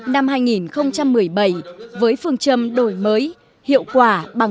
năm hai nghìn một mươi bảy với phương châm đổi mới hiệu quả bằng tất cả những người đồng tật của mình